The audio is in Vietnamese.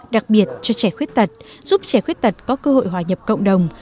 đặc biệt cho trẻ khuyết tật giúp trẻ khuyết tật có cơ hội hòa nhập cộng đồng